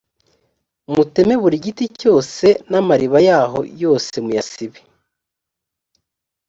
muteme buri giti cyose cyiza namariba yaho yose muyasibe